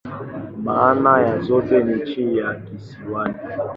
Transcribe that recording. Maana ya zote ni "nchi ya kisiwani.